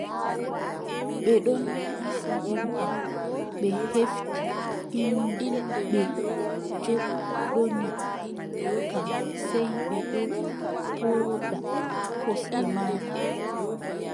Ɓe ɗon isa yimɓe, ɓe efti innu ɓe joɗɗoni kam, sey ɓe ɗo pooɗa gosɗe maako.